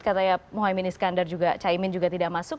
katanya mohaimin iskandar juga caimin juga tidak masuk